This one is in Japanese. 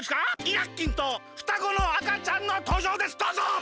イラッキンとふたごのあかちゃんのとうじょうですどうぞ！